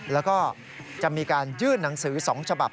แล้วก็จะมีการยื่นหนังสือ๒ฉบับ